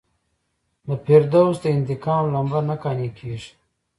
د فردوسي د انتقام لمبه نه قانع کیږي.